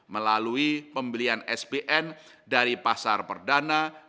melalui pembelian spn dari pasar perdana